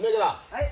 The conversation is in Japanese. はい。